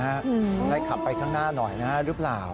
ให้ขับไปข้างหน้าหน่อยนะหรือเปล่า